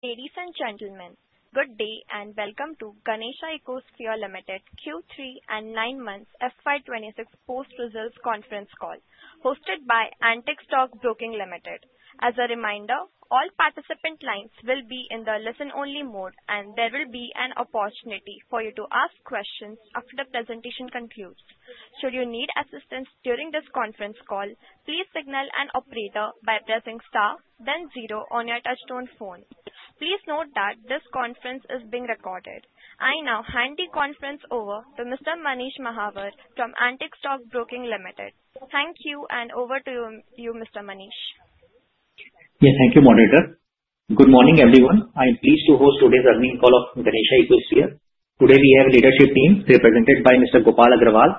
Ladies and gentlemen, good day and welcome to Ganesha Ecosphere Limited Q3 and nine-months FY 2026 post-results conference call, hosted by Antique Stock Broking Limited. As a reminder, all participant lines will be in the listen-only mode, and there will be an opportunity for you to ask questions after the presentation concludes. Should you need assistance during this conference call, please signal an operator by pressing star, then zero on your touch-tone phone. Please note that this conference is being recorded. I now hand the conference over to Mr. Manish Mahawar from Antique Stock Broking Limited. Thank you, and over to you, Mr. Manish. Yes, thank you, Moderator. Good morning, everyone. I am pleased to host today's earnings call of Ganesha Ecosphere. Today we have leadership teams represented by Mr. Gopal Agarwal,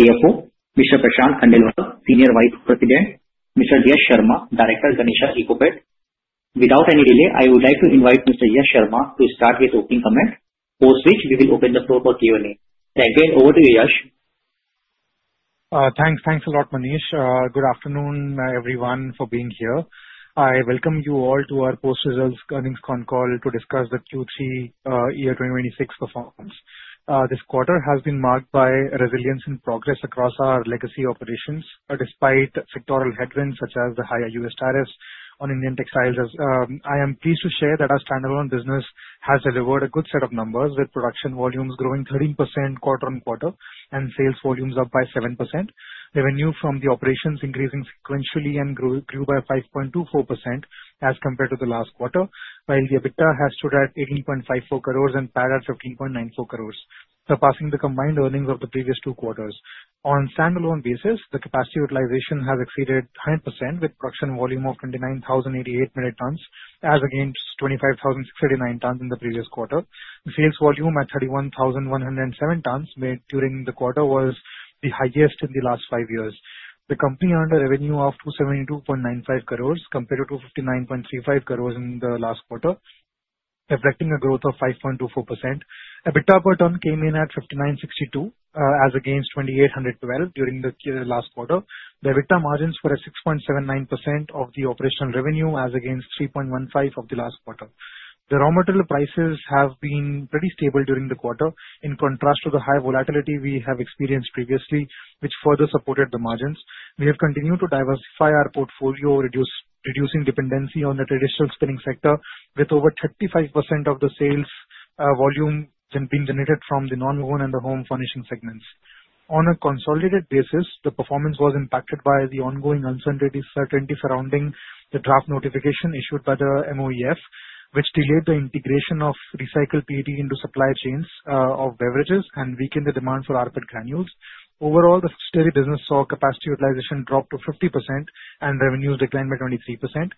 CFO, Mr. Prashant Khandelwal, Senior Vice President, Mr. Yash Sharma, Director of Ganesha Ecopet. Without any delay, I would like to invite Mr. Yash Sharma to start with opening comment, post which we will open the floor for Q&A. Thank you, and over to Yash. Thanks. Thanks a lot, Manish. Good afternoon, everyone, for being here. I welcome you all to our post-results earnings call to discuss the Q3 year 2026 performance. This quarter has been marked by resilience and progress across our legacy operations despite sectoral headwinds such as the higher U.S. tariffs on Indian textiles. I am pleased to share that our standalone business has delivered a good set of numbers, with production volumes growing 13% quarter-on-quarter and sales volumes up by 7%. Revenue from the operations increasing sequentially and grew by 5.24% as compared to the last quarter, while the EBITDA has stood at 18.54 crore and PAT at 15.94 crore, surpassing the combined earnings of the previous two quarters. On a standalone basis, the capacity utilization has exceeded 100%, with production volume of 29,088 metric tons as against 25,689 tons in the previous quarter. Sales volume at 31,107 tons made during the quarter was the highest in the last five years. The company earned a revenue of 272.95 crore compared to 259.35 crore in the last quarter, reflecting a growth of 5.24%. EBITDA per ton came in at 5,962 as against 2,812 during the last quarter. The EBITDA margins were at 6.79% of the operational revenue as against 3.15% of the last quarter. The raw material prices have been pretty stable during the quarter, in contrast to the high volatility we have experienced previously, which further supported the margins. We have continued to diversify our portfolio, reducing dependency on the traditional spinning sector, with over 35% of the sales volume being generated from the non-woven and the home furnishing segments. On a consolidated basis, the performance was impacted by the ongoing uncertainty surrounding the draft notification issued by the MoEFCC, which delayed the integration of recycled PET into supply chains of beverages and weakened the demand for rPET granules. Overall, the steady business saw capacity utilization drop to 50% and revenues decline by 23%.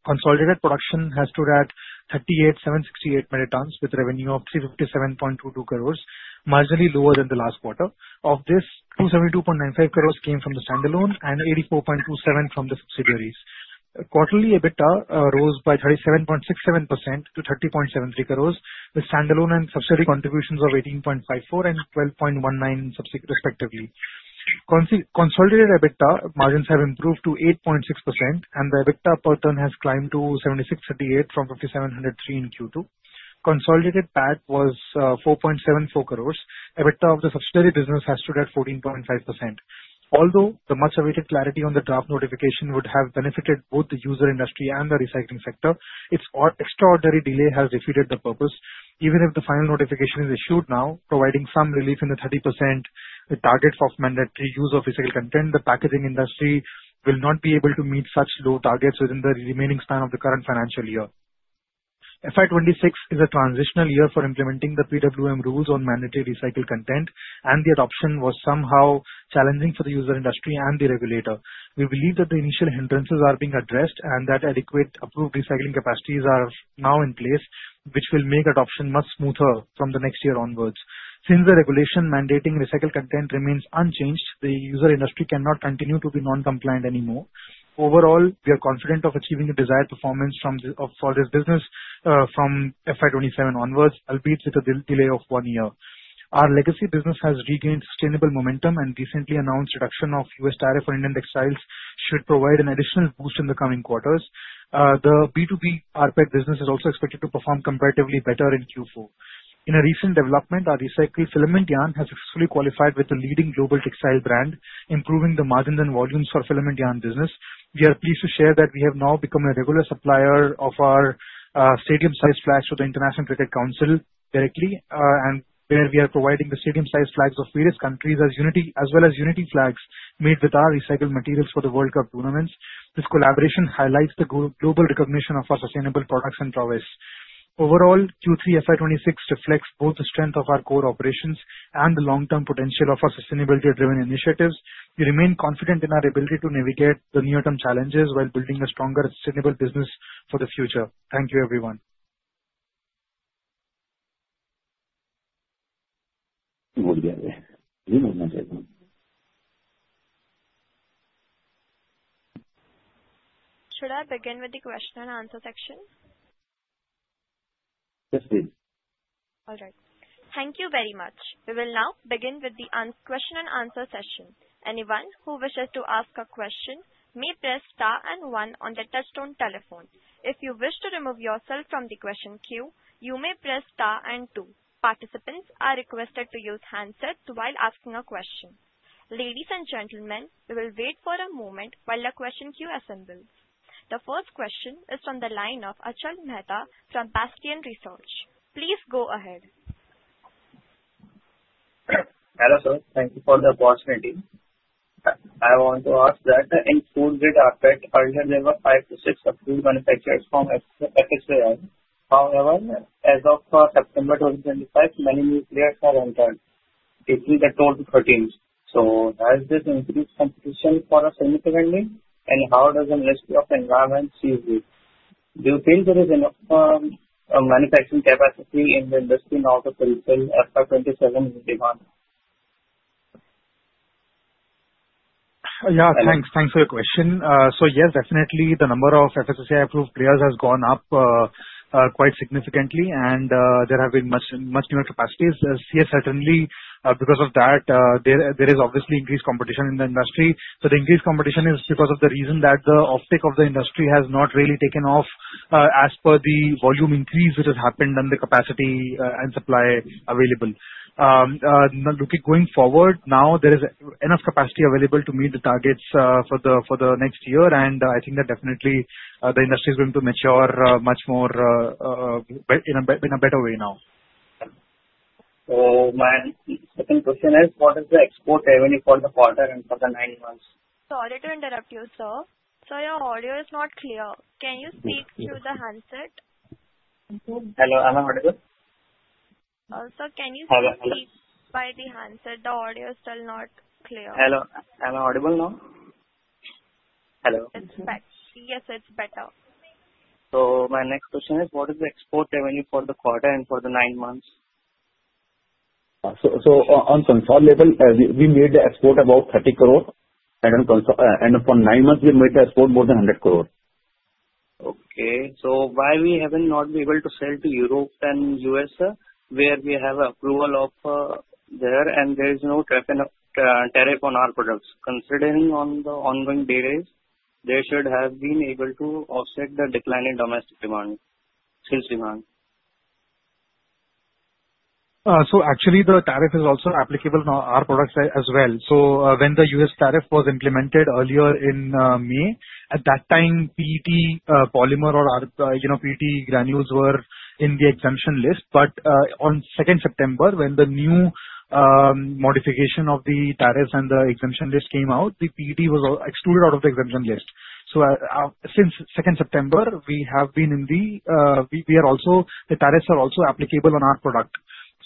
Consolidated production has stood at 38,768 metric tons, with revenue of 357.22 crores, marginally lower than the last quarter. Of this, 272.95 crores came from the standalone and 84.27 crores from the subsidiaries. Quarterly, EBITDA rose by 37.67% to 30.73 crores, with standalone and subsidiary contributions of 18.54 crores and 12.19 crores, respectively. Consolidated EBITDA margins have improved to 8.6%, and the EBITDA per ton has climbed to 7,638 from 5,703 in Q2. Consolidated PAT was 4.74 crores. EBITDA of the subsidiary business has stood at 14.5 crores. Although the much-awaited clarity on the draft notification would have benefited both the user industry and the recycling sector, its extraordinary delay has defeated the purpose. Even if the final notification is issued now, providing some relief in the 30% targets of mandatory use of recycled content, the packaging industry will not be able to meet such low targets within the remaining span of the current financial year. FY 2026 is a transitional year for implementing the PWM rules on mandatory recycled content, and the adoption was somehow challenging for the user industry and the regulator. We believe that the initial hindrances are being addressed and that adequate approved recycling capacities are now in place, which will make adoption much smoother from the next year onwards. Since the regulation mandating recycled content remains unchanged, the user industry cannot continue to be non-compliant anymore. Overall, we are confident of achieving the desired performance for this business from FY 2027 onwards, albeit with a delay of one year. Our legacy business has regained sustainable momentum and recently announced reduction of U.S. tariffs on Indian textiles should provide an additional boost in the coming quarters. The B2B rPET business is also expected to perform comparatively better in Q4. In a recent development, our recycled filament yarn has successfully qualified with the leading global textile brand, improving the margin and volumes for filament yarn business. We are pleased to share that we have now become a regular supplier of our stadium-sized flags to the International Cricket Council directly, and where we are providing the stadium-sized flags of various countries as well as unity flags made with our recycled materials for the World Cup tournaments. This collaboration highlights the global recognition of our sustainable products and prowess. Overall, Q3 FY 2026 reflects both the strength of our core operations and the long-term potential of our sustainability-driven initiatives. We remain confident in our ability to navigate the near-term challenges while building a stronger, sustainable business for the future. Thank you, everyone. Should I begin with the question-and-answer section? Yes, please. All right. Thank you very much. We will now begin with the question-and-answer session. Anyone who wishes to ask a question may press star and one on their touch-tone telephone. If you wish to remove yourself from the question queue, you may press star and two. Participants are requested to use handsets while asking a question. Ladies and gentlemen, we will wait for a moment while the question queue assembles. The first question is from the line of Achal Mehta from Bastion Research. Please go ahead. Hello, sir. Thank you for the opportunity. I want to ask that in food-grade rPET, earlier there were five to six approved manufacturers from FSSAI. However, as of September 2025, many new players have entered, taking it to 12-13. So has this increased competition for us significantly, and how does the Ministry of Environment see this? Do you feel there is enough manufacturing capacity in the industry now to fulfill FY 2027's demand? Yeah, thanks. Thanks for your question. So yes, definitely, the number of FSSAI-approved players has gone up quite significantly, and there have been much newer capacities. Yes, certainly, because of that, there is obviously increased competition in the industry. So the increased competition is because of the reason that the uptake of the industry has not really taken off as per the volume increase that has happened and the capacity and supply available. Looking forward now, there is enough capacity available to meet the targets for the next year, and I think that definitely the industry is going to mature much more in a better way now. My second question is, what is the export revenue for the quarter and for the nine months? Sorry to interrupt you, sir. Sir, your audio is not clear. Can you speak through the handset? Hello. Am I audible? Sir, can you speak by the handset? The audio is still not clear. Hello. Am I audible now? Hello? Yes, it's better. My next question is, what is the export revenue for the quarter and for the nine months? On consolidated level, we made the export about 30 crore, and for nine months, we made the export more than 100 crore. Okay. So why have we not been able to sell to Europe and U.S., where we have approval of there, and there is no tariff on our products? Considering on the ongoing days, they should have been able to offset the declining domestic sales demand. So actually, the tariff is also applicable on our products as well. So when the U.S. tariff was implemented earlier in May, at that time, PET polymer or PET granules were in the exemption list. But on 2nd September, when the new modification of the tariffs and the exemption list came out, the PET was excluded out of the exemption list. So since 2nd September, the tariffs are also applicable on our product.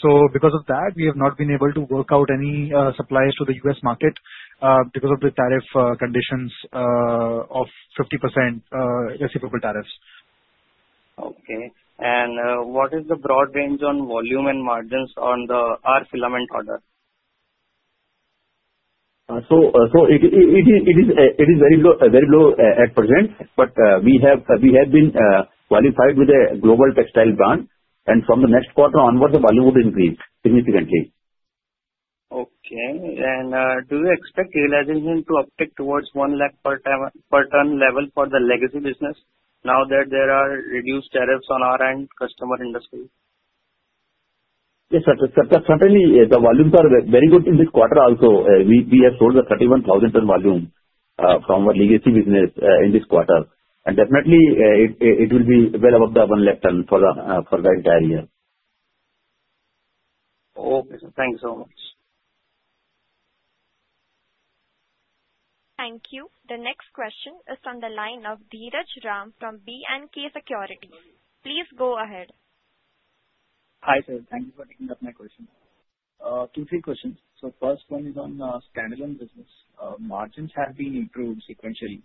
So because of that, we have not been able to work out any supplies to the U.S. market because of the tariff conditions of 50% receivable tariffs. Okay. And what is the broad range on volume and margins on our filament order? It is very low at present, but we have been qualified with a global textile brand, and from the next quarter onwards, the volume would increase significantly. Okay. Do you expect realization to uptick towards 1 lakh per ton level for the legacy business now that there are reduced tariffs on our end customer industry? Yes, sir. Certainly, the volumes are very good in this quarter also. We have sold the 31,000-ton volume from our legacy business in this quarter, and definitely, it will be well above the 100,000 tons for the entire year. Okay, sir. Thank you so much. Thank you. The next question is from the line of Dheeraj Ram from B&K Securities. Please go ahead. Hi, sir. Thank you for taking up my question. Two, three questions. So first one is on standalone business. Margins have been improved sequentially.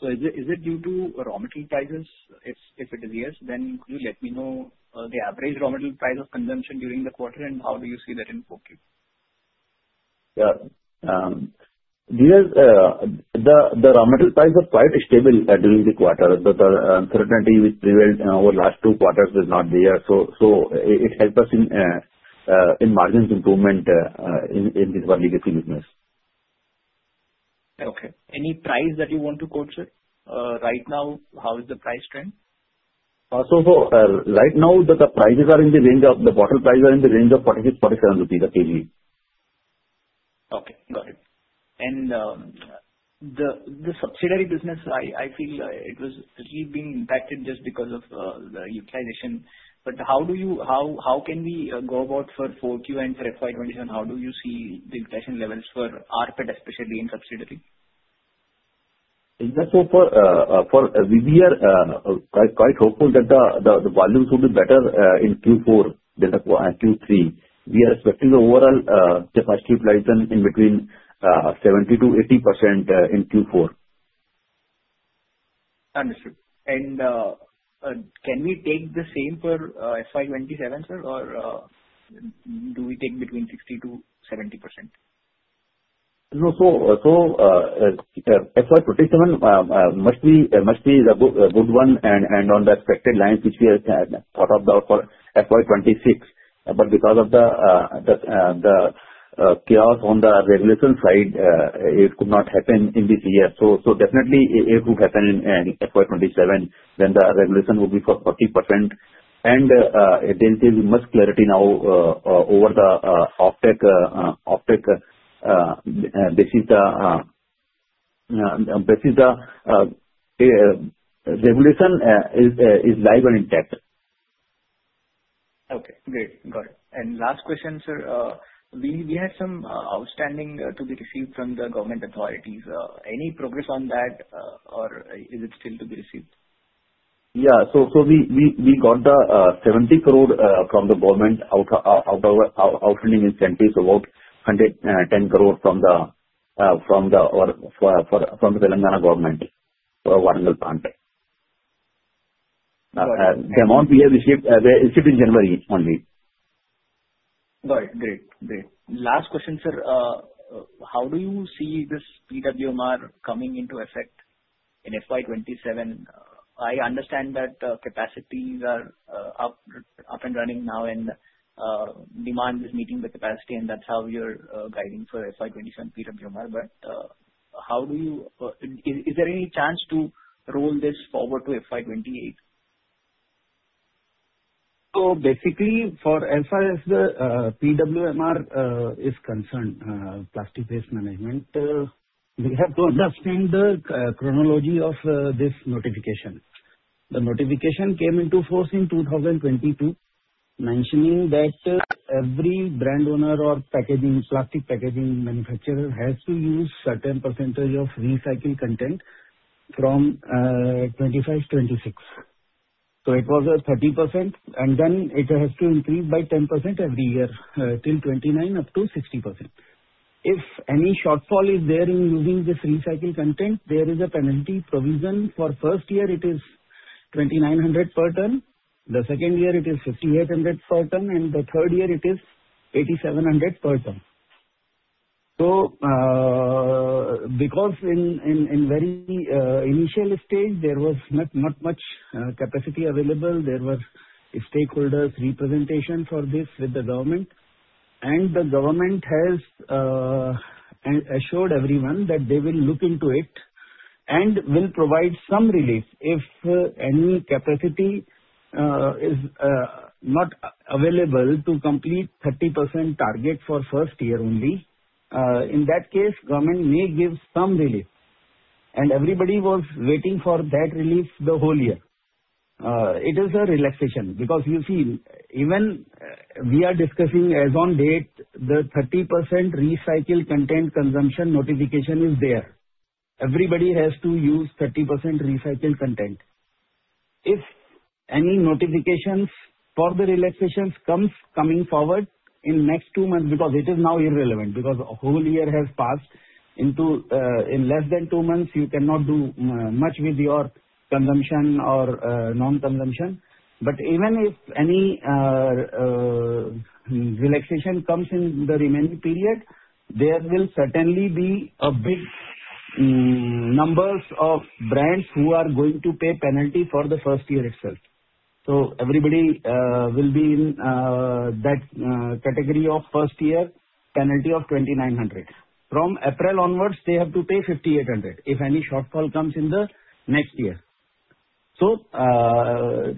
So is it due to raw material prices? If it is, yes, then could you let me know the average raw material price of consumption during the quarter, and how do you see that in 4Q? Yeah. Dheeraj, the raw material prices are quite stable during the quarter. The uncertainty which prevailed over the last two quarters is not there, so it helped us in margins improvement in our legacy business. Okay. Any price that you want to quote, sir? Right now, how is the price trend? So right now, the prices are in the range of the bottle prices are in the range of 46-47 rupees a kg. Okay. Got it. And the subsidiary business, I feel it was really being impacted just because of the utilization. But how can we go about for 4Q and for FY 2027? How do you see the utilization levels for rPET, especially in subsidiary? Is that so? For we are quite hopeful that the volumes would be better in Q4 than Q3. We are expecting the overall capacity utilization in between 70%-80% in Q4. Understood. Can we take the same for FY 2027, sir, or do we take between 60%-70%? No, so FY 2027 must be a good one and on the expected lines, which we have thought of for FY 2026. But because of the chaos on the regulation side, it could not happen in this year. So definitely, it would happen in FY 2027 when the regulation would be for 40%. And there is much clarity now over the rPET basis. The regulation is live and intact. Okay. Great. Got it. And last question, sir. We had some outstanding to be received from the government authorities. Any progress on that, or is it still to be received? Yeah. So we got the 70 crore from the government outstanding incentives, about 110 crore from the Telangana government for Warangal plant. The amount we have received is in January only. Got it. Great. Great. Last question, sir. How do you see this PWMR coming into effect in FY 2027? I understand that capacities are up and running now, and demand is meeting the capacity, and that's how you're guiding for FY 2027 PWMR. But how do you is there any chance to roll this forward to FY 2028? So basically, as far as the PWMR is concerned, plastic waste management, we have to understand the chronology of this notification. The notification came into force in 2022, mentioning that every brand owner or plastic packaging manufacturer has to use a certain percentage of recycled content from 2025-2026. So it was 30%, and then it has to increase by 10% every year till 2029, up to 60%. If any shortfall is there in using this recycled content, there is a penalty provision. For the first year, it is 2,900 per ton. The second year, it is 5,800 per ton, and the third year, it is 8,700 per ton. So because in the very initial stage, there was not much capacity available, there were stakeholders' representations for this with the government, and the government has assured everyone that they will look into it and will provide some relief if any capacity is not available to complete the 30% target for the first year only. In that case, the government may give some relief, and everybody was waiting for that relief the whole year. It is a relaxation because you see, even we are discussing as on date, the 30% recycled content consumption notification is there. Everybody has to use 30% recycled content. If any notifications for the relaxations come forward in the next two months because it is now irrelevant, because the whole year has passed, in less than two months, you cannot do much with your consumption or non-consumption. But even if any relaxation comes in the remaining period, there will certainly be a big number of brands who are going to pay a penalty for the first year itself. So everybody will be in that category of the first year. Penalty of 2,900. From April onwards, they have to pay 5,800 if any shortfall comes in the next year. So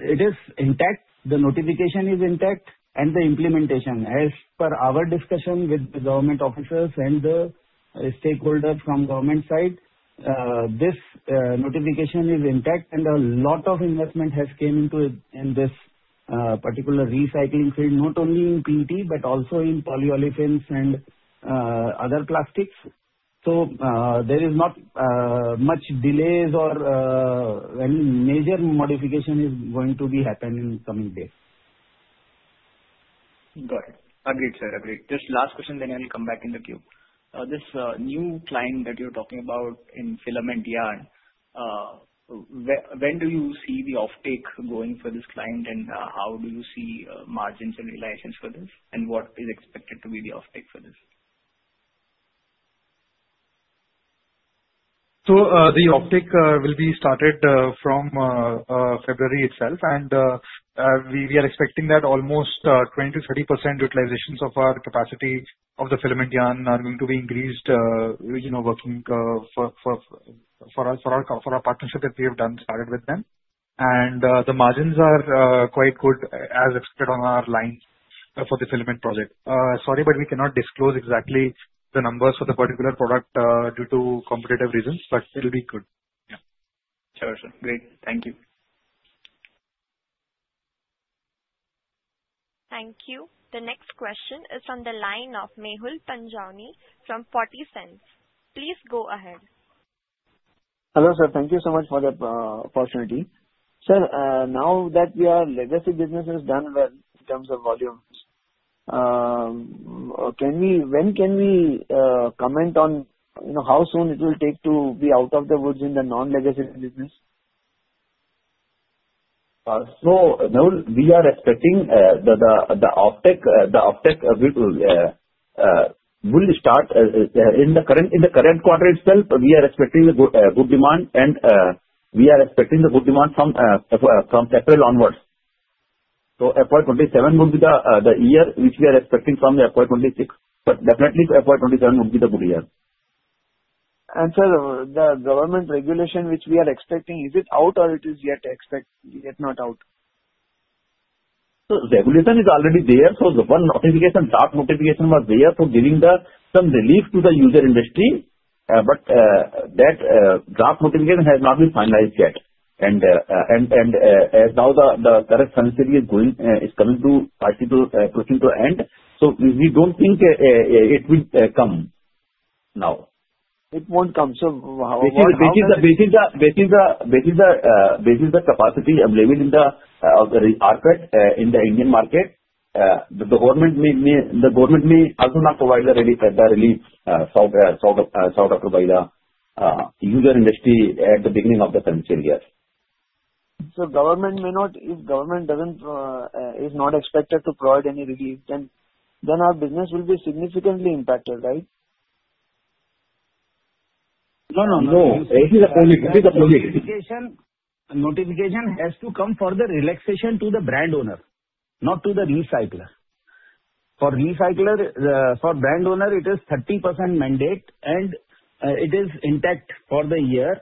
it is intact. The notification is intact, and the implementation, as per our discussion with the government officers and the stakeholders from the government side, this notification is intact, and a lot of investment has come into this particular recycling field, not only in PET but also in polyolefins and other plastics. So there is not much delay, or any major modification is going to happen in the coming days. Got it. Agreed, sir. Agreed. Just last question, then I will come back in the queue. This new client that you're talking about in filament yarn, when do you see the uptake going for this client, and how do you see margins and realizations for this, and what is expected to be the uptake for this? The uptake will be started from February itself, and we are expecting that almost 20%-30% utilization of our capacity of the filament yarn is going to be increased working for our partnership that we have started with them. And the margins are quite good as expected on our lines for the filament project. Sorry, but we cannot disclose exactly the numbers for the particular product due to competitive reasons, but it will be good. Yeah. Sure, sir. Great. Thank you. Thank you. The next question is from the line of Mehul Panjwani from 40 Cents. Please go ahead. Hello, sir. Thank you so much for the opportunity. Sir, now that your legacy business is done well in terms of volumes, when can we comment on how soon it will take to be out of the woods in the non-legacy business? So Mehul, we are expecting the uptake will start in the current quarter itself. We are expecting good demand, and we are expecting the good demand from April onwards. So FY 2027 would be the year which we are expecting from FY 2026, but definitely, FY 2027 would be the good year. Sir, the government regulation which we are expecting, is it out, or it is yet not out? The regulation is already there. One draft notification was there for giving some relief to the user industry, but that draft notification has not been finalized yet. Now, the current sanction is coming to end, so we don't think it will come now. It won't come. So how? This is the capacity available in the rPET in the Indian market. The government may also not provide the relief sought after by the user industry at the beginning of the sanction year. If government does not expect to provide any relief, then our business will be significantly impacted, right? No, no, no. This is the point. This is the point. Notification has to come for the relaxation to the brand owner, not to the recycler. For brand owner, it is a 30% mandate, and it is intact for the year.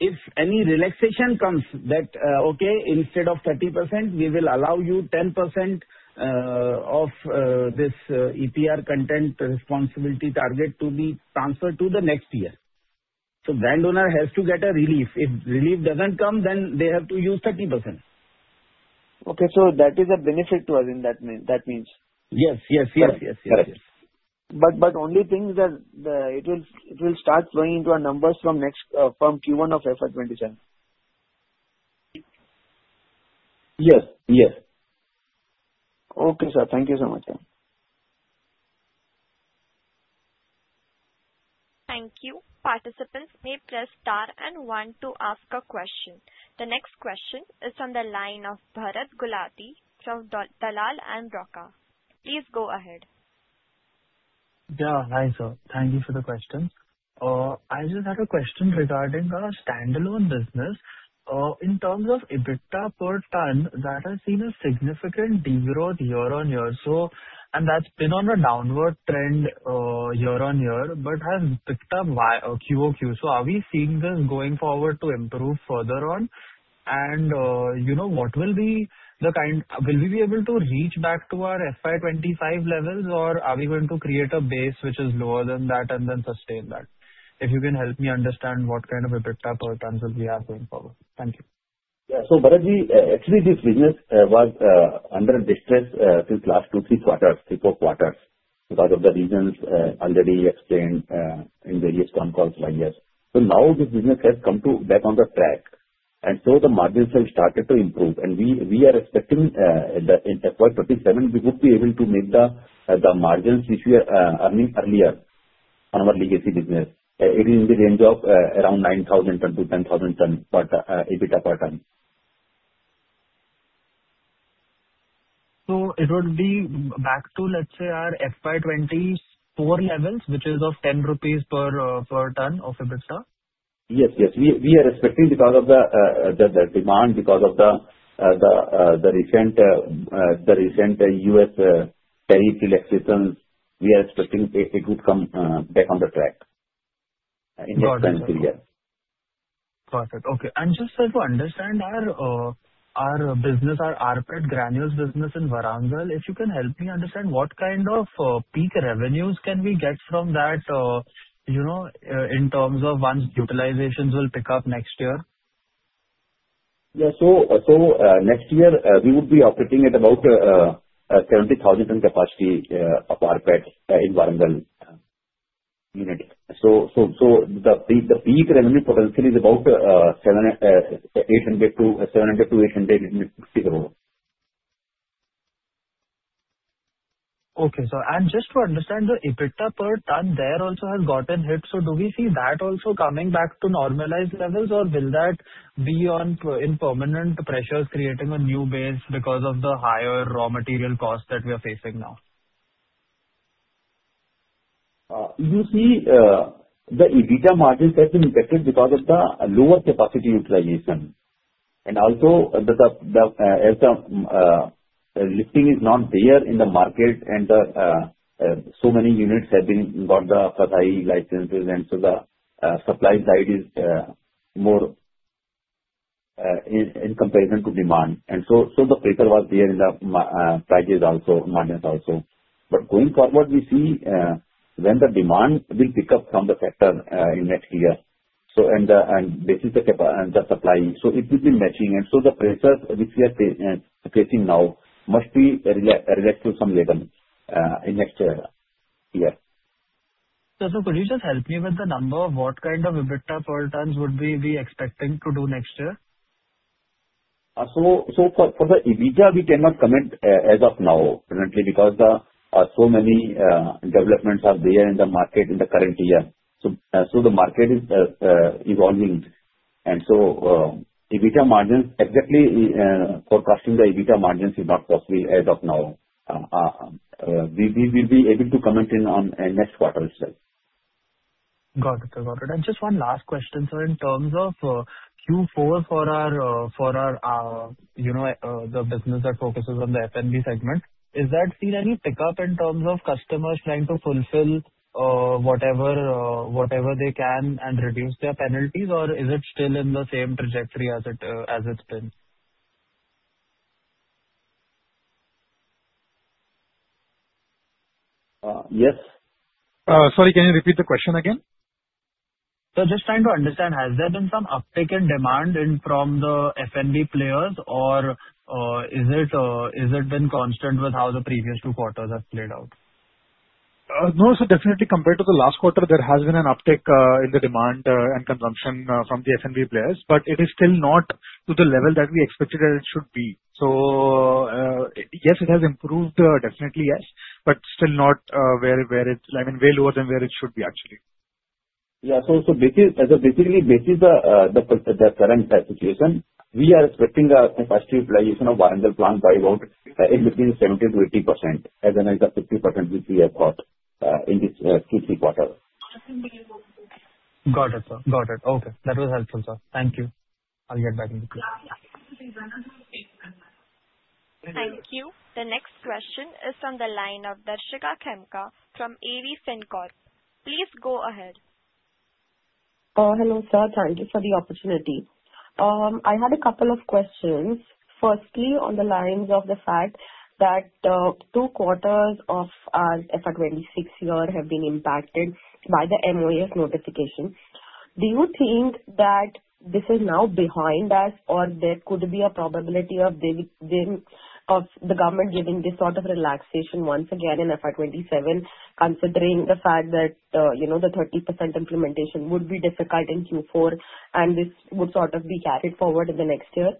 If any relaxation comes, that, okay, instead of 30%, we will allow you 10% of this EPR content responsibility target to be transferred to the next year. So the brand owner has to get a relief. If relief doesn't come, then they have to use 30%. Okay. So that is a benefit to us, that means? Yes, yes, yes, yes, yes, yes. But the only thing is that it will start flowing into our numbers from Q1 of FY 2027. Yes, yes. Okay, sir. Thank you so much, sir. Thank you. Participants may press star and want to ask a question. The next question is from the line of Bharat Gulati from Dalal and Broacha. Please go ahead. Yeah, hi, sir. Thank you for the question. I just had a question regarding our standalone business. In terms of EBITDA per ton, that has seen a significant degrowth year-over-year, and that's been on a downward trend year-over-year but has picked up QoQ So are we seeing this going forward to improve further on? And what will be the kind will we be able to reach back to our FY 2025 levels, or are we going to create a base which is lower than that and then sustain that? If you can help me understand what kind of EBITDA per ton we are going forward. Thank you. Yeah. So Bharatji, actually, this business was under distress since the last two to three quarters, three to four quarters because of the reasons already explained in various phone calls last year. So now, this business has come back on the track, and so the margins have started to improve. And we are expecting in FY 2027, we would be able to make the margins which we are earning earlier on our legacy business. It is in the range of around 9,000-10,000 EBITDA per ton. It would be back to, let's say, our FY 2024 levels, which is of 10 rupees per ton of EBITDA? Yes, yes. We are expecting because of the demand, because of the recent U.S. tariff relaxations, we are expecting it would come back on the track in this fiscal year. Got it. Got it. Okay. And just, sir, to understand our business, our rPET granules business in Warangal, if you can help me understand what kind of peak revenues can we get from that in terms of once utilizations will pick up next year? Yeah. So next year, we would be operating at about 70,000 ton capacity of rPET in Warangal unit. So the peak revenue potentially is about to 700 crore-850 crore. Okay. And just to understand, the EBITDA per ton there also has gotten hit. So do we see that also coming back to normalized levels, or will that be in permanent pressures creating a new base because of the higher raw material cost that we are facing now? You see, the EBITDA margins have been impacted because of the lower capacity utilization and also as the lifting is not there in the market, and so many units have gotten the FSSAI licenses, and so the supply side is more in comparison to demand. So the pressure was there in the prices also, margins also. But going forward, we see when the demand will pick up from the sector in next year, and this is the supply. So it will be matching. So the pressures which we are facing now must be relaxed to some level in next year. Sir, could you just help me with the number of what kind of EBITDA per tons would we be expecting to do next year? For the EBITDA, we cannot comment as of now currently because so many developments are there in the market in the current year. The market is evolving, and so exactly forecasting the EBITDA margins is not possible as of now. We will be able to comment in on next quarter itself. Got it, sir. Got it. And just one last question, sir. In terms of Q4 for our business that focuses on the F&B segment, has that seen any pickup in terms of customers trying to fulfill whatever they can and reduce their penalties, or is it still in the same trajectory as it's been? Yes. Sorry, can you repeat the question again? Sir, just trying to understand, has there been some uptake in demand from the F&B players, or is it been constant with how the previous two quarters have played out? No, sir. Definitely, compared to the last quarter, there has been an uptake in the demand and consumption from the F&B players, but it is still not to the level that we expected that it should be. So yes, it has improved. Definitely, yes, but still not where it I mean, way lower than where it should be, actually. Yeah. So basically, this is the current situation. We are expecting the capacity utilization of Warangal plant by about in between 70%-80% as an additional 50% which we have got in this Q3 quarter. Got it, sir. Got it. Okay. That was helpful, sir. Thank you. I'll get back in the queue. Thank you. The next question is from the line of Darshika Khemka from AV FinCorp. Please go ahead. Hello, sir. Thank you for the opportunity. I had a couple of questions. Firstly, on the lines of the fact that two quarters of our FY 2026 year have been impacted by the MoEFCC notification, do you think that this is now behind us, or there could be a probability of the government giving this sort of relaxation once again in FY 2027 considering the fact that the 30% implementation would be difficult in Q4, and this would sort of be carried forward in the next year?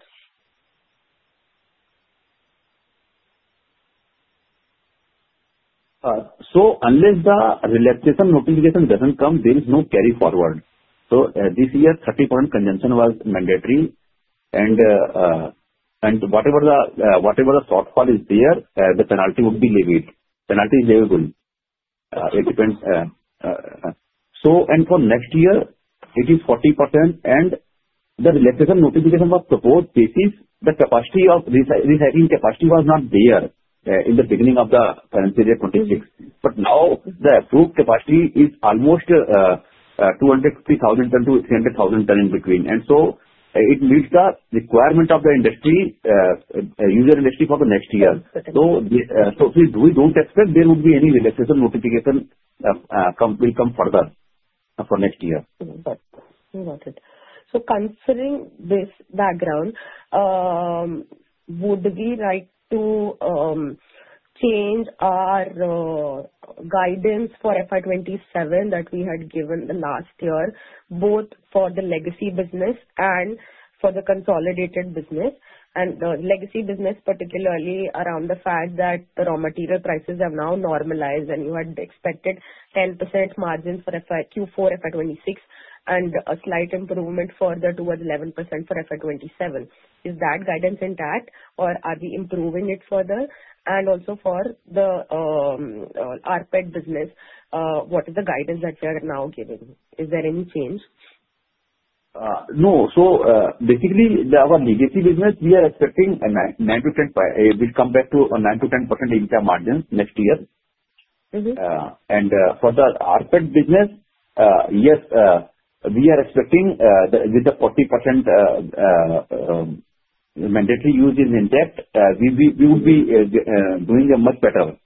So unless the relaxation notification doesn't come, there is no carry forward. So this year, 30% convention was mandatory, and whatever the shortfall is there, the penalty would be levied. Penalty is levable. It depends. And for next year, it is 40%, and the relaxation notification was proposed basis the recycling capacity was not there in the beginning of the financial year 2026. But now, the approved capacity is almost 250,000-300,000 tons in between. And so it meets the requirement of the user industry for the next year. So we don't expect there would be any relaxation notification will come further for next year. Got it. So considering this background, would we like to change our guidance for FY 2027 that we had given the last year both for the legacy business and for the consolidated business? And the legacy business, particularly around the fact that the raw material prices have now normalized, and you had expected 10% margin for Q4, FY 2026, and a slight improvement further towards 11% for FY 2027. Is that guidance intact, or are we improving it further? And also for the rPET business, what is the guidance that we are now giving? Is there any change? No. So basically, our legacy business, we are expecting we'll come back to 9%-10% EBITDA margins next year. And for the rPET business, yes, we are expecting with the 40% mandatory use is intact, we would be doing much better.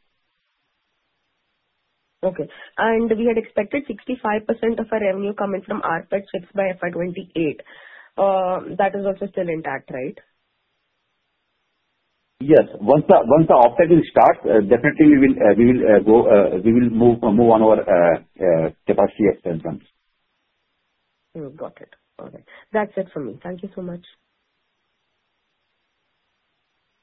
Okay. And we had expected 65% of our revenue coming from rPET chips by FY 2028. That is also still intact, right? Yes. Once the rPET starts, definitely, we will move on our capacity expansions. Got it. All right. That's it for me. Thank you so much.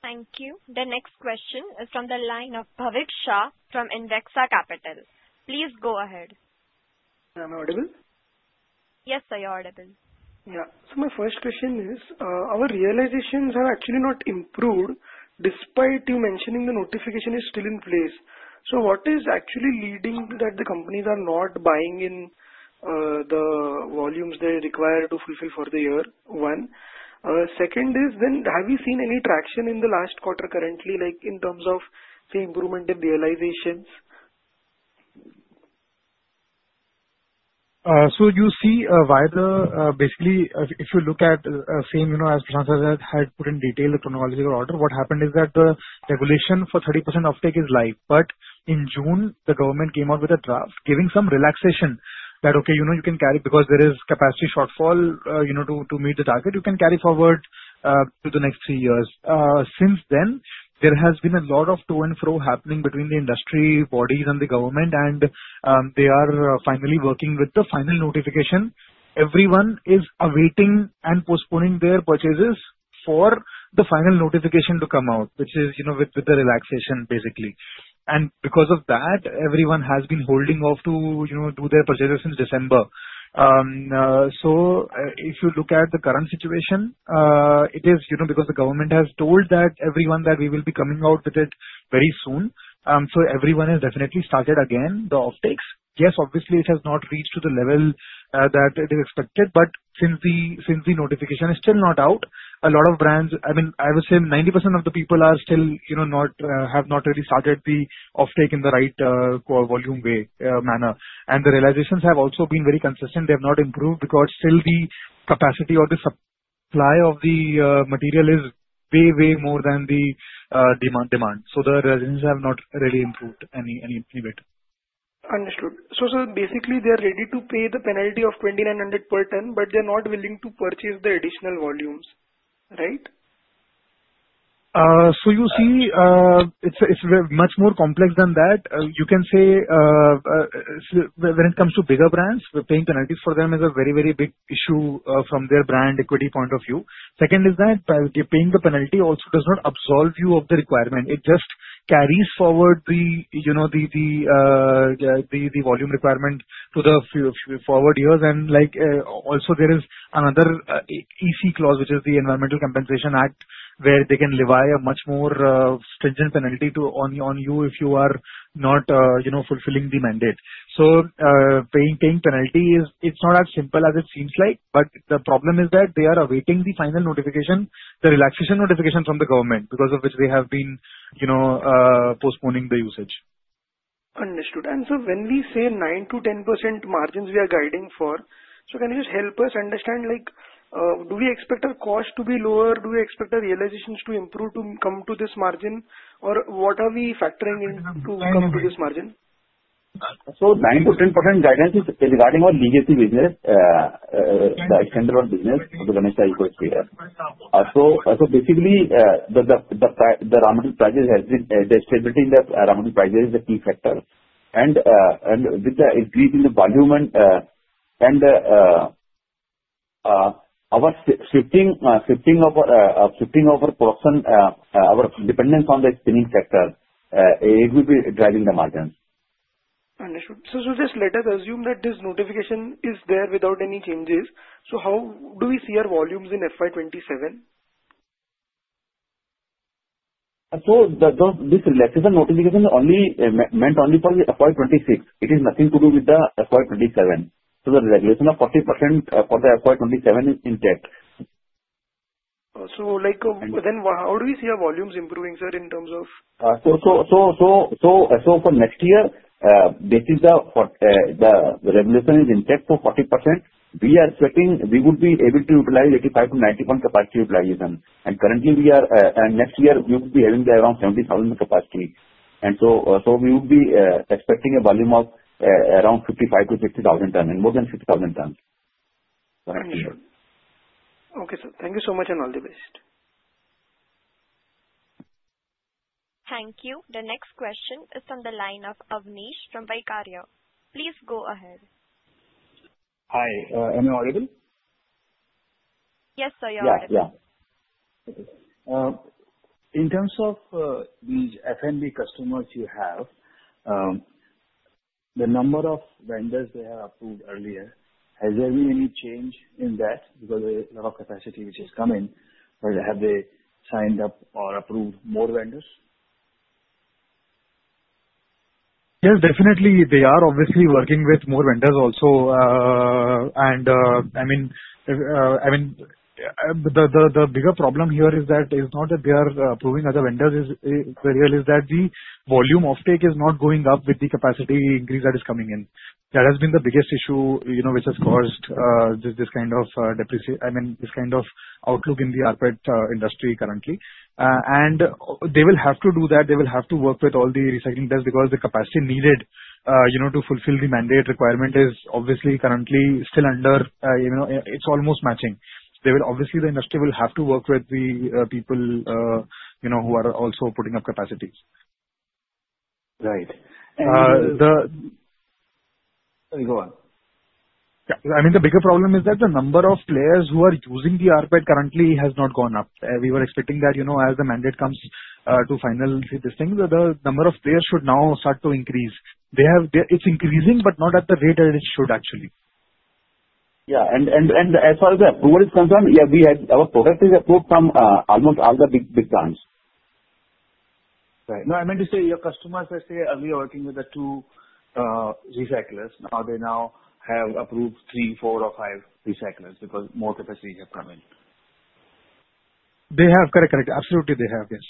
Thank you. The next question is from the line of Bhavik Shah from Invexa Capital. Please go ahead. Am I audible? Yes, sir. You're audible. Yeah. So my first question is, our realizations have actually not improved despite you mentioning the notification is still in place. So what is actually leading to that the companies are not buying in the volumes they require to fulfill for the year? One. Second is, then have we seen any traction in the last quarter currently in terms of, say, improvement in realizations? So you see, basically, if you look at same as Prashant said, I had put in detail the chronological order. What happened is that the regulation for 30% uptake is live. But in June, the government came out with a draft giving some relaxation that, okay, you can carry because there is capacity shortfall to meet the target, you can carry forward to the next three years. Since then, there has been a lot of to-and-fro happening between the industry bodies and the government, and they are finally working with the final notification. Everyone is awaiting and postponing their purchases for the final notification to come out, which is with the relaxation, basically. And because of that, everyone has been holding off to do their purchases since December. So if you look at the current situation, it is because the government has told everyone that we will be coming out with it very soon. So everyone has definitely started again the uptakes. Yes, obviously, it has not reached to the level that they expected, but since the notification is still not out, a lot of brands I mean, I would say 90% of the people have not really started the uptake in the right volume way, manner. And the realizations have also been very consistent. They have not improved because still, the capacity or the supply of the material is way, way more than the demand. So the realizations have not really improved any bit. Understood. So basically, they are ready to pay the penalty of 2,900 per ton, but they are not willing to purchase the additional volumes, right? You see, it's much more complex than that. You can say when it comes to bigger brands, paying penalties for them is a very, very big issue from their brand equity point of view. Second is that paying the penalty also does not absolve you of the requirement. It just carries forward the volume requirement to the forward years. And also, there is another EC clause, which is the Environmental Compensation Act, where they can levy a much more stringent penalty on you if you are not fulfilling the mandate. So paying penalty, it's not as simple as it seems like, but the problem is that they are awaiting the final notification, the relaxation notification from the government because of which they have been postponing the usage. Understood. So when we say 9%-10% margins we are guiding for, can you just help us understand, do we expect our cost to be lower? Do we expect our realizations to improve to come to this margin, or what are we factoring in to come to this margin? So, 9%-10% guidance is regarding our legacy business, the extended-run business of Ganesha Ecosphere. Basically, the stability in the raw material prices has been the key factor. With the increase in the volume and our shifting of our production, our dependence on the spinning sector, it will be driving the margins. Understood. So just let us assume that this notification is there without any changes. So how do we see our volumes in FY 2027? This relaxation notification meant only for the FY 2026. It has nothing to do with the FY 2027. The regulation of 40% for the FY 2027 is intact. How do we see our volumes improving, sir, in terms of? For next year, this is the regulation is intact for 40%. We would be able to utilize 85%-90% capacity utilization. Currently, we are and next year, we would be having around 70,000 capacity. We would be expecting a volume of around 55,000-60,000 tons, more than 50,000 tons for next year. Okay, sir. Thank you so much, and all the best. Thank you. The next question is from the line of Avnish from Vaikarya. Please go ahead. Hi. Am I audible? Yes, sir. You're audible. Yeah. Yeah. In terms of these F&B customers you have, the number of vendors they have approved earlier, has there been any change in that because a lot of capacity which has come in? Have they signed up or approved more vendors? Yes, definitely. They are obviously working with more vendors also. And I mean, the bigger problem here is not that they are approving other vendors very well, it's that the volume uptake is not going up with the capacity increase that is coming in. That has been the biggest issue which has caused this kind of depreciation I mean, this kind of outlook in the rPET industry currently. And they will have to do that. They will have to work with all the recycling desks because the capacity needed to fulfill the mandate requirement is obviously currently still under it's almost matching. So obviously, the industry will have to work with the people who are also putting up capacities. Right. And. Sorry, go on. I mean, the bigger problem is that the number of players who are using the rPET currently has not gone up. We were expecting that as the mandate comes to finalize these things, the number of players should now start to increase. It's increasing, but not at the rate that it should, actually. Yeah. As far as the approval is concerned, yeah, our product is approved from almost all the big brands. Right. No, I meant to say your customers, let's say, earlier, working with the two recyclers, now they now have approved three, four, or five recyclers because more capacity has come in. They have. Correct. Correct. Absolutely, they have. Yes.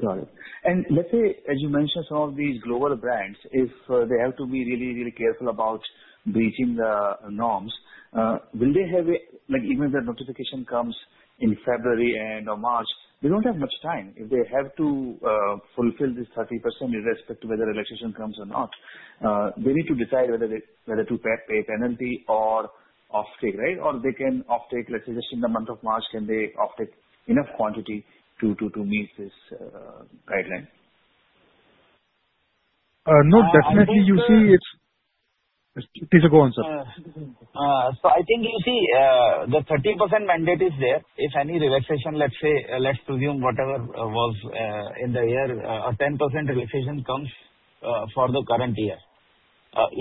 Got it. And let's say, as you mentioned, some of these global brands, if they have to be really, really careful about breaching the norms, will they have even if the notification comes in February or March, they don't have much time. If they have to fulfill this 30% irrespective whether relaxation comes or not, they need to decide whether to pay penalty or offtake, right? Or they can offtake, let's say, just in the month of March, can they offtake enough quantity to meet this guideline? No, definitely, you see, it's please, go on, sir. So I think, you see, the 30% mandate is there. If any relaxation, let's say, let's presume whatever was in the year, a 10% relaxation comes for the current year.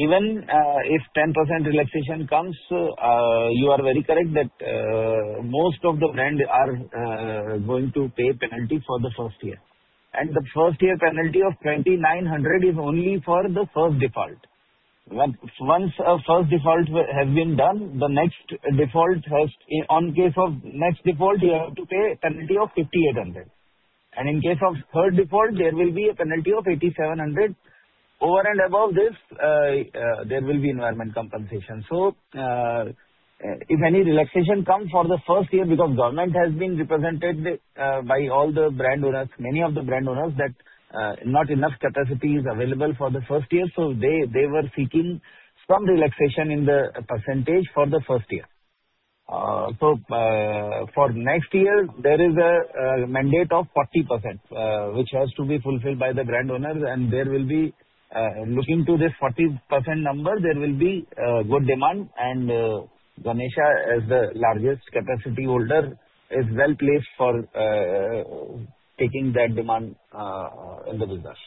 Even if 10% relaxation comes, you are very correct that most of the brands are going to pay penalty for the first year. And the first-year penalty of 2,900 is only for the first default. Once a first default has been done, the next default has in case of next default, you have to pay a penalty of 5,800. And in case of third default, there will be a penalty of 8,700. Over and above this, there will be environment compensation. So if any relaxation comes for the first year because the government has been represented by all the brand owners, many of the brand owners, that not enough capacity is available for the first year, so they were seeking some relaxation in the percentage for the first year. So for next year, there is a mandate of 40% which has to be fulfilled by the brand owners. And looking to this 40% number, there will be good demand. And Ganesha, as the largest capacity holder, is well placed for taking that demand in the business.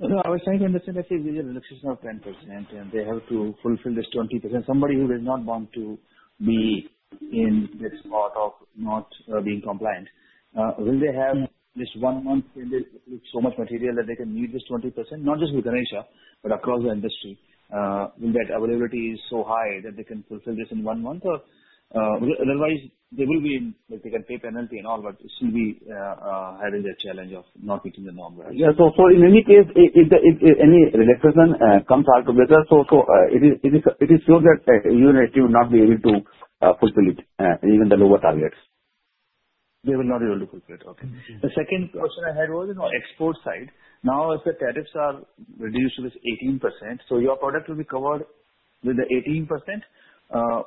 No, I was trying to understand, let's say, this is a relaxation of 10%, and they have to fulfill this 20%. Somebody who does not want to be in this part of not being compliant, will they have this one month when there's so much material that they can meet this 20%, not just with Ganesha, but across the industry, when that availability is so high that they can fulfill this in one month? Otherwise, they will be in they can pay penalty and all, but still be having that challenge of not meeting the norm, right? Yeah. So in any case, if any relaxation comes out of the business, so it is sure that you will not be able to fulfill it, even the lower targets. They will not be able to fulfill it. Okay. The second question I had was on the export side. Now, as the tariffs are reduced to this 18%, so your product will be covered with the 18%,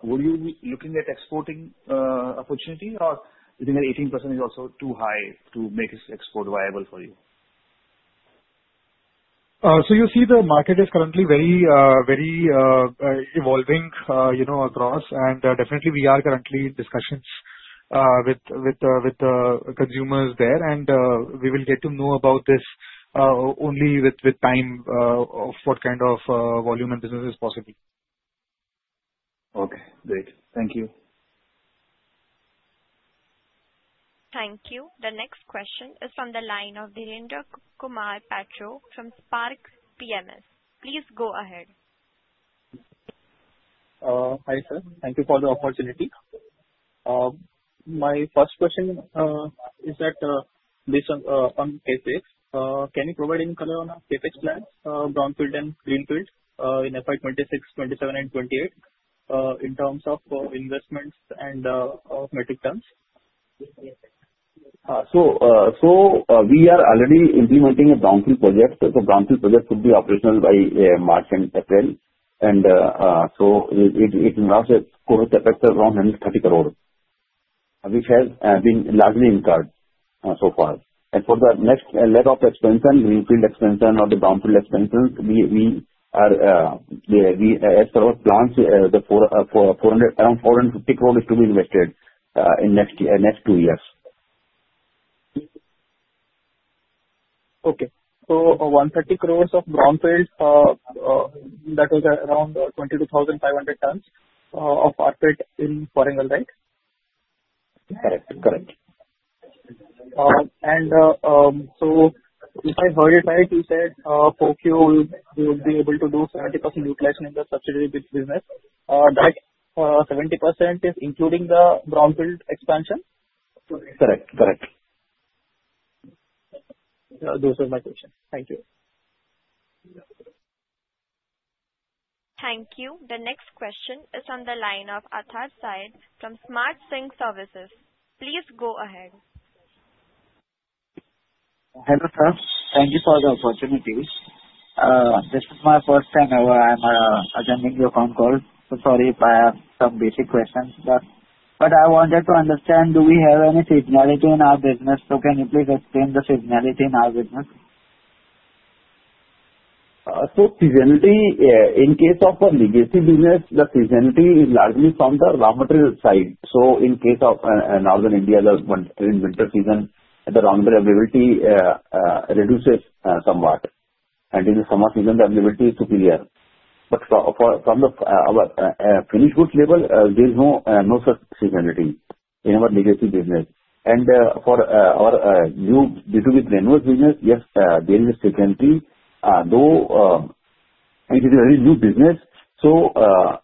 would you be looking at exporting opportunity, or do you think that 18% is also too high to make this export viable for you? You see, the market is currently very, very evolving across. Definitely, we are currently in discussions with the consumers there. We will get to know about this only with time of what kind of volume and business is possible. Okay. Great. Thank you. Thank you. The next question is from the line of Dhirendra Patro from Spark Capital. Please go ahead. Hi, sir. Thank you for the opportunity. My first question is that based on CapEx, can you provide any color on CapEx plans, brownfield and greenfield, in FY 2026, FY 2027, and FY 2028 in terms of investments and metric tons? We are already implementing a brownfield project. Brownfield project should be operational by March and April. It incurs capex effect around INR 130 crore, which has been largely incurred so far. For the next leg of expansion, greenfield expansion or the brownfield expansion, as per our plans, around 450 crore is to be invested in next two years. Okay. So 130 crore of brownfield, that was around 22,500 tons of rPET in foreign land, right? Correct. Correct. So, if I heard it right, you said 4Q, we would be able to do 70% utilization in the subsidiary business. That 70% is including the brownfield expansion? Correct. Correct. Those are my questions. Thank you. Thank you. The next question is on the line of Atharv Said from SmartSync Services. Please go ahead. Hello, sir. Thank you for the opportunity. This is my first time ever I'm attending your phone call. So sorry if I have some basic questions. But I wanted to understand, do we have any seasonality in our business? So can you please explain the seasonality in our business? So, seasonality, in case of a legacy business, the seasonality is largely from the raw material side. So, in case of Northern India, in winter season, the raw material availability reduces somewhat. And in the summer season, the availability is superior. But from our finished goods side, there is no such seasonality in our legacy business. And for our new bottle-to-bottle renewal business, yes, there is a seasonality. Though it is a very new business, so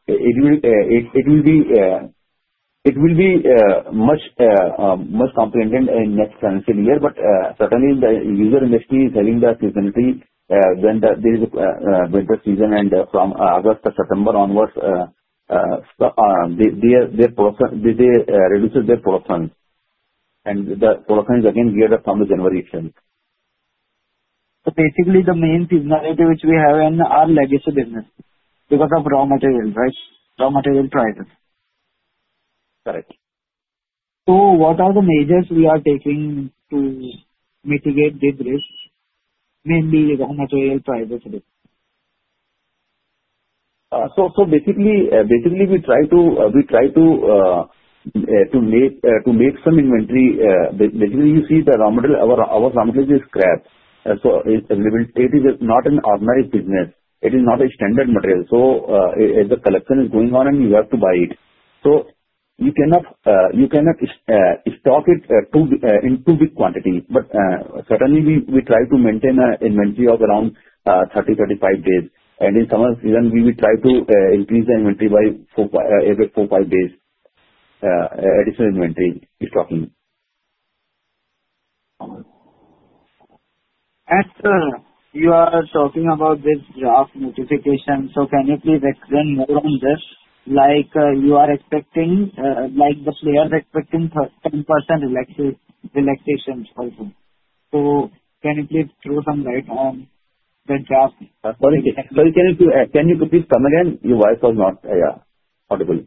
it will be more comprehensive in next financial year. But certainly, the user industry is having the seasonality when there is a winter season. And from August to September onwards, they reduce their production. And the production is again geared up from January onwards. So basically, the main seasonality which we have in our legacy business because of raw material prices, right? Correct. What are the measures we are taking to mitigate this risk, mainly raw material prices risk? So basically, we try to make some inventory. Basically, you see, our raw materials is scrap. So it is not an ordinary business. It is not a standard material. So as the collection is going on, and you have to buy it, so you cannot stock it in too big quantity. But certainly, we try to maintain an inventory of around 30-35 days. And in summer season, we will try to increase the inventory by every four to five days, additional inventory stocking. As you are talking about this draft notification, so can you please explain more on this? You are expecting the players expecting 10% relaxations also. Can you please throw some light on the draft? Sorry. Sorry. Can you please come again? Your voice was not audible.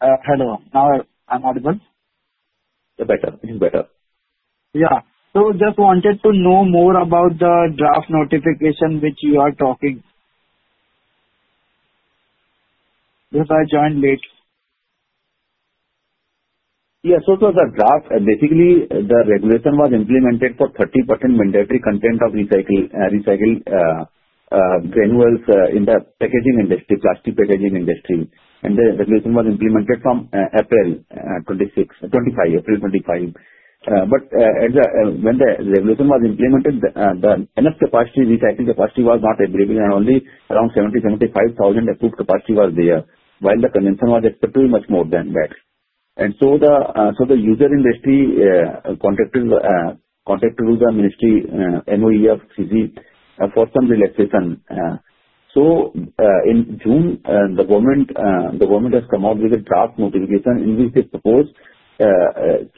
Hello. Now I'm audible. Better. It is better. Yeah. So just wanted to know more about the draft notification which you are talking because I joined late. Yeah. So for the draft, basically, the regulation was implemented for 30% mandatory content of recycled renewals in the packaging industry, plastic packaging industry. And the regulation was implemented from April 25, April 25. But when the regulation was implemented, the enough capacity, recycling capacity was not available. And only around 70,000-75,000 approved capacity was there while the consumption was expected to be much more than that. And so the user industry contacted the Ministry, MoEFCC, for some relaxation. So in June, the government has come out with a draft notification in which they propose to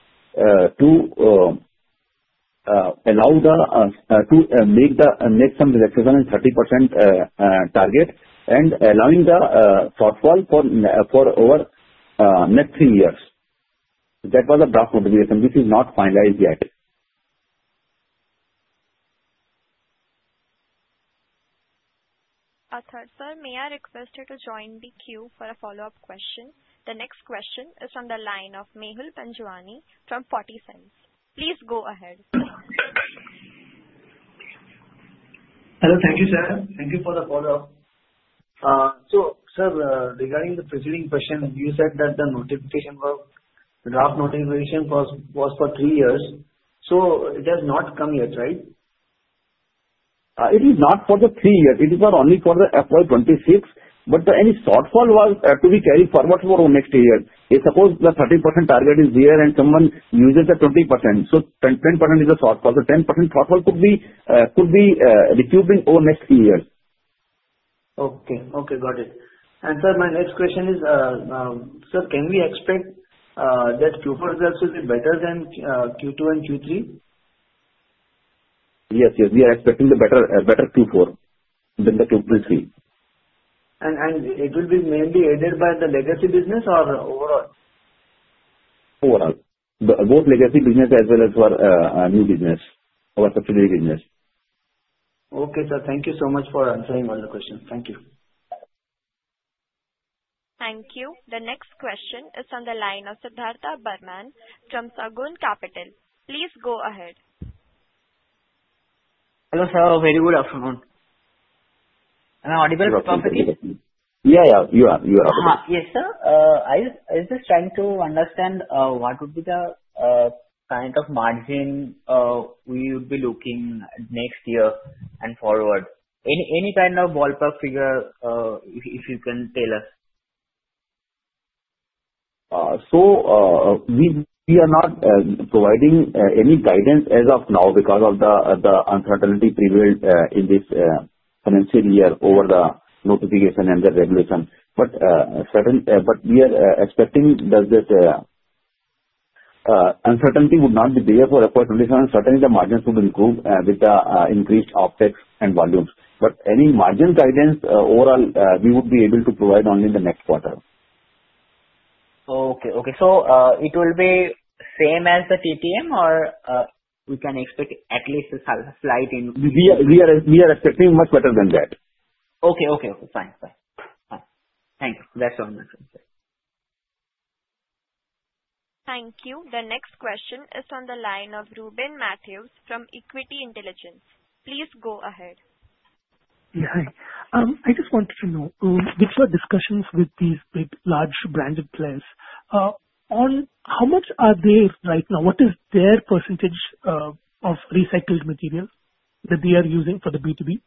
allow them to make some relaxation in 30% target and allowing the shortfall for over next three years. That was the draft notification, which is not finalized yet. Atharv Said, may I request her to join the queue for a follow-up question? The next question is from the line of Mehul Panjwani from 40 Cents. Please go ahead. Hello. Thank you, sir. Thank you for the follow-up. So sir, regarding the preceding question, you said that the draft notification was for three years. So it has not come yet, right? It is not for the three years. It is only for the FY 2026. But any shortfall was to be carried forward for next year. Suppose the 30% target is here and someone uses the 20%. So 10% is the shortfall. So 10% shortfall could be recovered over next three years. Okay. Okay. Got it. And sir, my next question is, sir, can we expect that Q4 results will be better than Q2 and Q3? Yes. Yes. We are expecting better Q4 than the Q3. It will be mainly aided by the legacy business or overall? Overall, both legacy business as well as our new business, our subsidiary business. Okay, sir. Thank you so much for answering all the questions. Thank you. Thank you. The next question is on the line of Siddhartha Barman from Sagun Capital. Please go ahead. Hello, sir. Very good afternoon. Am I audible properly? Yeah. Yeah. You are. You are audible. Yes, sir. I was just trying to understand what would be the kind of margin we would be looking at next year and forward. Any kind of ballpark figure if you can tell us. We are not providing any guidance as of now because of the uncertainty prevailed in this financial year over the notification and the regulation. But we are expecting that uncertainty would not be there for FY 2027. Certainly, the margins would improve with the increased optics and volumes. But any margin guidance overall, we would be able to provide only in the next quarter. Okay. Okay. So it will be same as the TTM, or we can expect at least a slight. We are expecting much better than that. Okay. Okay. Okay. Fine. Fine. Fine. Thank you. That's all I have to say. Thank you. The next question is on the line of Reuben Mathews from Equity Intelligence. Please go ahead. Hi. I just wanted to know, which were discussions with these large branded players? How much are they right now? What is their percentage of recycled material that they are using for the B2B?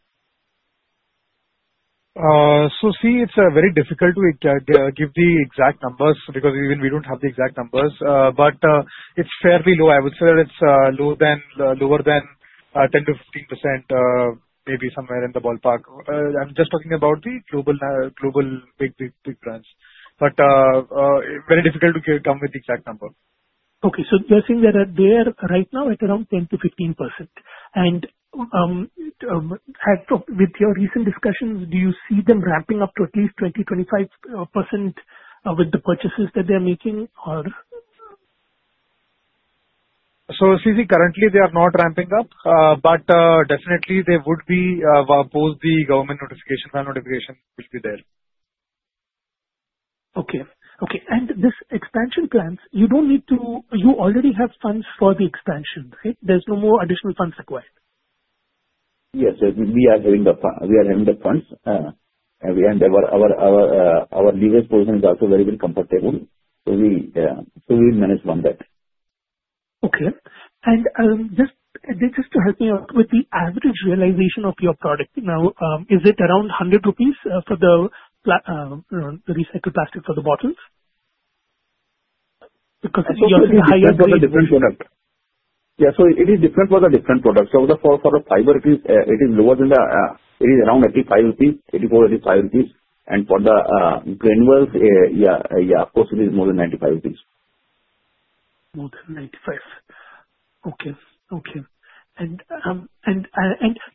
So see, it's very difficult to give the exact numbers because even we don't have the exact numbers. But it's fairly low. I would say that it's lower than 10%-15%, maybe somewhere in the ballpark. I'm just talking about the global big, big, big brands. But very difficult to come with the exact number. Okay. So you're saying that they are right now at around 10%-15%. And with your recent discussions, do you see them ramping up to at least 20%-25% with the purchases that they are making, or? So CZ, currently, they are not ramping up. But definitely, they would be post the government notification. Notification will be there. Okay. Okay. And these expansion plans, you don't need to you already have funds for the expansion, right? There's no more additional funds required? Yes. We are having the funds. Our leadership position is also very well comfortable. We manage from that. Okay. And just to help me out with the average realization of your product, now, is it around 100 rupees for the recycled plastic for the bottles? Because you are saying higher price. Yeah. It's for the different product. Yeah. So it is different for the different products. So for the fiber, it is lower than the it is around 85 rupees, 84, 85 rupees. And for the yarns, yeah, yeah, of course, it is more than 95 rupees. More than 95. Okay. Okay. And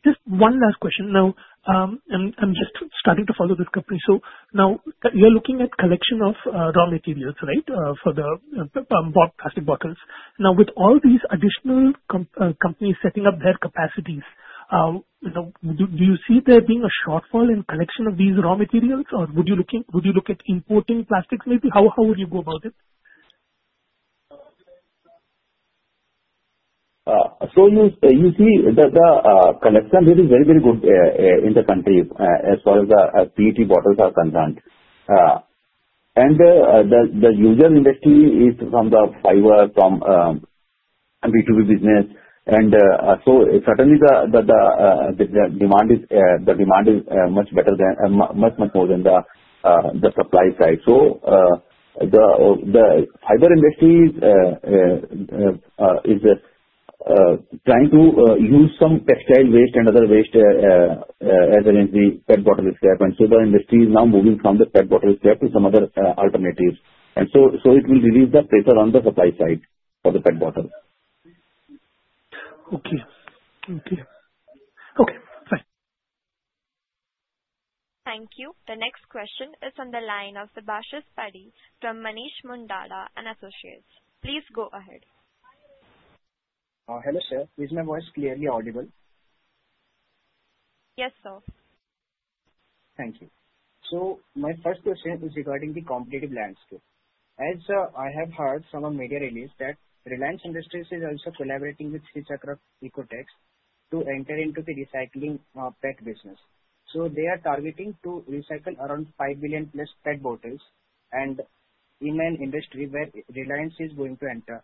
just one last question. Now, I'm just starting to follow this company. So now, you're looking at collection of raw materials, right, for the plastic bottles. Now, with all these additional companies setting up their capacities, do you see there being a shortfall in collection of these raw materials, or would you look at importing plastics maybe? How would you go about it? You see, the collection is very, very good in the country as far as the PET bottles are concerned. The user industry is from the fiber, from B2B business. Certainly, the demand is much better than much, much more than the supply side. The fiber industry is trying to use some textile waste and other waste as in the PET bottle scrap. The industry is now moving from the PET bottle scrap to some other alternatives. It will release the pressure on the supply side for the PET bottle. Okay. Okay. Okay. Fine. Thank you. The next question is on the line of Sebastian Spady from Manish Mundada and Associates. Please go ahead. Hello, sir. Is my voice clearly audible? Yes, sir. Thank you. So my first question is regarding the competitive landscape. As I have heard from a media release, that Reliance Industries is also collaborating with Srichakra Ecotex to enter into the recycling PET business. So they are targeting to recycle around 5+ billion PET bottles. And in an industry where Reliance is going to enter,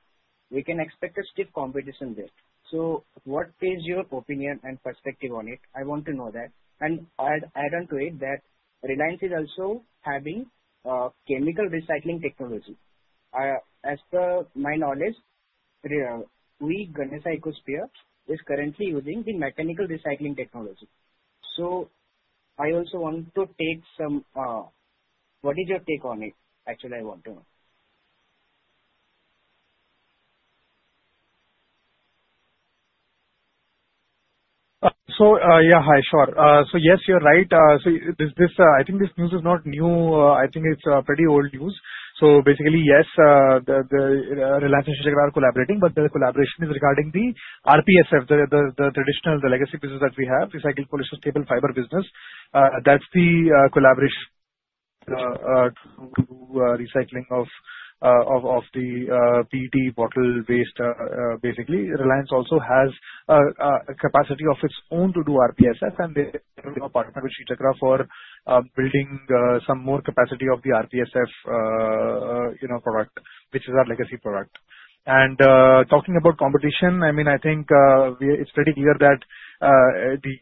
we can expect a stiff competition there. So what is your opinion and perspective on it? I want to know that. And I add on to it that Reliance is also having chemical recycling technology. As per my knowledge, we Ganesha Ecosphere is currently using the mechanical recycling technology. So I also want to take some what is your take on it? Actually, I want to know. So yeah. Hi. Sure. So yes, you're right. So I think this news is not new. I think it's pretty old news. So basically, yes, Reliance and Srichakra are collaborating. But the collaboration is regarding the RPSF, the traditional, the legacy business that we have, Recycled Polyester Staple Fiber Business. That's the collaboration to do recycling of the PET bottle waste, basically. Reliance also has a capacity of its own to do RPSF. And they are partnering with Srichakra for building some more capacity of the RPSF product, which is our legacy product. And talking about competition, I mean, I think it's pretty clear that the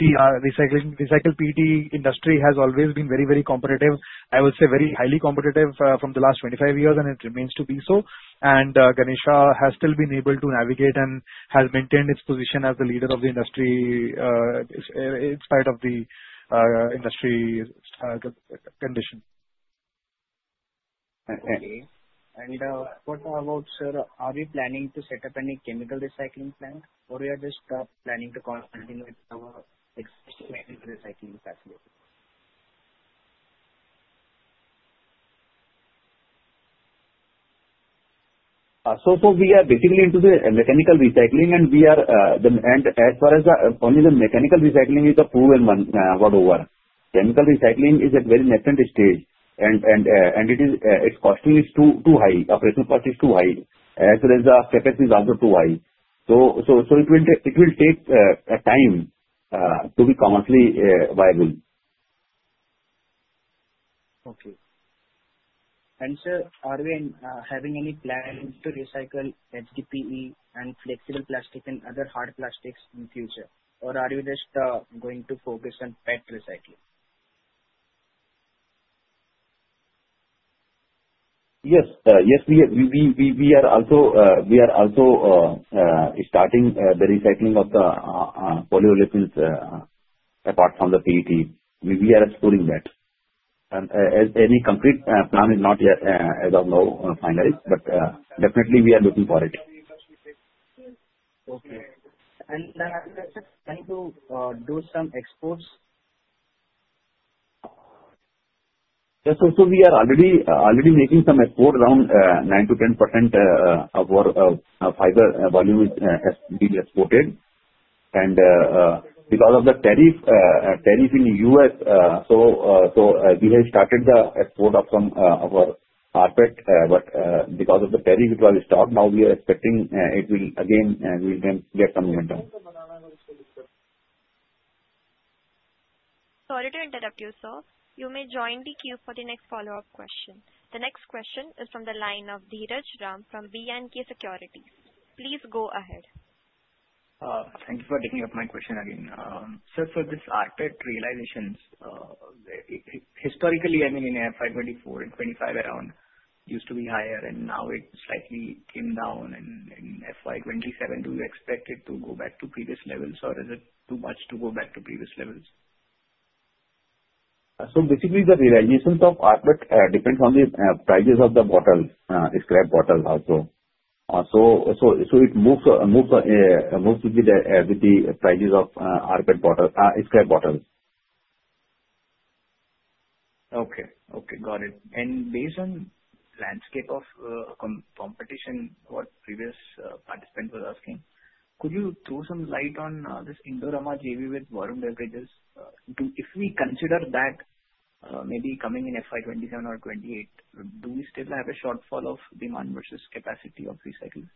recycled PET industry has always been very, very competitive, I would say very highly competitive from the last 25 years. And it remains to be so. Ganesha has still been able to navigate and has maintained its position as the leader of the industry in spite of the industry condition. Okay. And what about, sir, are we planning to set up any chemical recycling plant, or we are just planning to continue with our existing mechanical recycling facility? We are basically into the mechanical recycling. As far as only the mechanical recycling is approved world over, chemical recycling is at a very nascent stage. Its cost is too high. Operational cost is too high. As well as the capacity is also too high. It will take time to be commercially viable. Okay. And sir, are we having any plans to recycle HDPE and flexible plastic and other hard plastics in the future, or are we just going to focus on PET recycling? Yes. Yes. We are also starting the recycling of the polyolefins apart from the PET. We are exploring that. Any concrete plan is not yet as of now finalized. But definitely, we are looking for it. Okay. Are you planning to do some exports? Yes. So we are already making some export around 9%-10% of our fiber volume has been exported. And because of the tariff in the U.S., so we have started the export of some of our rPET. But because of the tariff, it was stopped. Now, we are expecting it will again get some momentum. Sorry to interrupt you, sir. You may join the queue for the next follow-up question. The next question is from the line of Dheeraj Ram from B&K Securities. Please go ahead. Thank you for taking up my question again. Sir, for this rPET realizations, historically, I mean, in FY 2024 and 2025 around, used to be higher. And now, it slightly came down. And in FY 2027, do you expect it to go back to previous levels, or is it too much to go back to previous levels? Basically, the realizations of rPET depends on the prices of the scrap bottles also. It moves with the prices of scrap bottles. Okay. Okay. Got it. And based on the landscape of competition, what previous participant was asking, could you throw some light on this Indorama JV with Varun Beverages? If we consider that maybe coming in FY2027 or 2028, do we still have a shortfall of demand versus capacity of recycling?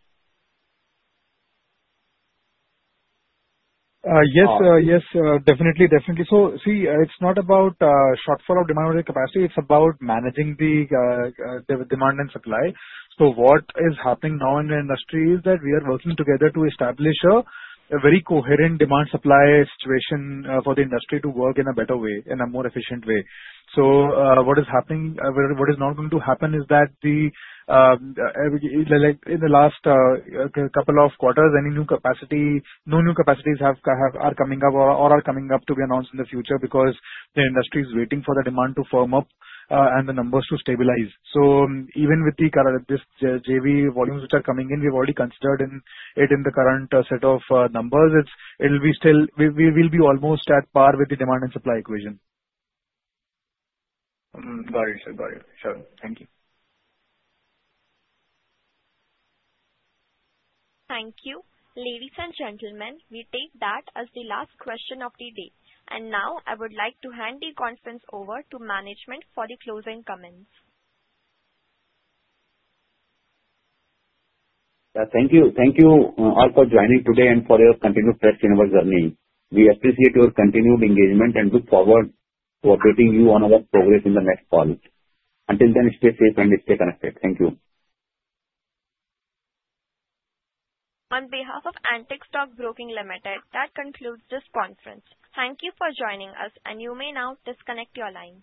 Yes. Yes. Definitely. Definitely. So see, it's not about shortfall of demand or capacity. It's about managing the demand and supply. So what is happening now in the industry is that we are working together to establish a very coherent demand-supply situation for the industry to work in a better way, in a more efficient way. So what is happening what is now going to happen is that in the last couple of quarters, no new capacities are coming up or are coming up to be announced in the future because the industry is waiting for the demand to firm up and the numbers to stabilize. So even with this JV volumes which are coming in, we've already considered it in the current set of numbers. It will be almost at par with the demand and supply equation. Got it, sir. Got it, sir. Thank you. Thank you. Ladies and gentlemen, we take that as the last question of the day. Now, I would like to hand the conference over to management for the closing comments. Thank you. Thank you all for joining today and for your continued trust in our journey. We appreciate your continued engagement and look forward to updating you on our progress in the next call. Until then, stay safe and stay connected. Thank you. On behalf of Antique Stock Broking Limited, that concludes this conference. Thank you for joining us. You may now disconnect your line.